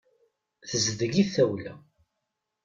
Tezdeɣ-it tawla.